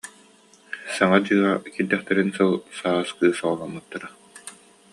саҥа дьиэҕэ киирдэхтэрин сыл саас кыыс оҕоломмуттара